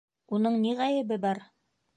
Уның ни ғәйебе бар?